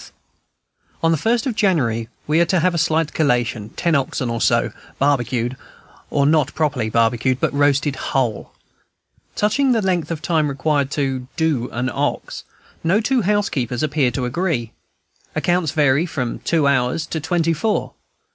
On the first of January we are to have a slight collation, ten oxen or so, barbecued, or not properly barbecued, but roasted whole. Touching the length of time required to "do" an ox, no two housekeepers appear to agree. Accounts vary from two hours to twenty four.